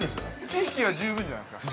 知識は十分じゃないですか。